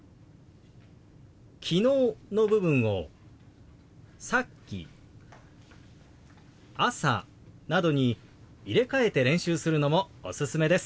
「昨日」の部分を「さっき」「朝」などに入れ替えて練習するのもおすすめです。